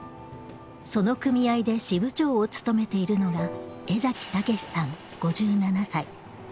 その組合で支部長を務めているのが江崎毅さん５７歳。